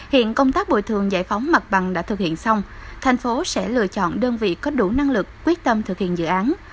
hiện công tác bồi thường giải phóng mặt bằng đã thực hiện xong thành phố sẽ lựa chọn đơn vị có đủ năng lực quyết tâm thực hiện dự án